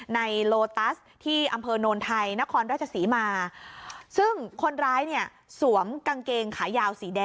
ในโลตัสที่อำเภอนนทัยณคลด๋วย